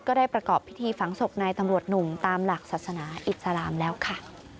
ได้ประกอบพิธีฝังศพนายตำรวจหนุ่มตามหลักศาสนาอิสลามแล้วค่ะ